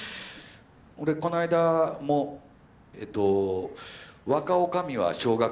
俺この間もえっと「若おかみは小学生！」